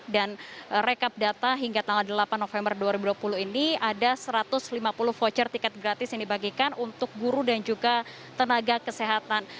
dan rekap data hingga tanggal delapan november dua ribu dua puluh ini ada satu ratus lima puluh voucher tiket gratis yang dibagikan untuk guru dan juga tenaga kesehatan